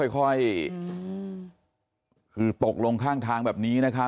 ค่อยคือตกลงข้างทางแบบนี้นะครับ